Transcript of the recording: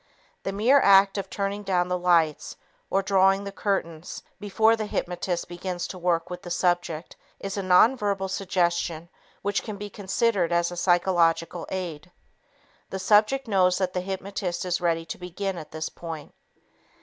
The mere act of turning down the lights or drawing the curtains before the hypnotist begins to work with the subject is a non verbal suggestion which can be considered as a psychological aid. The subject knows that the hypnotist is ready to begin at this point.